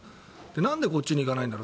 なんでこっちに行かないんだろう。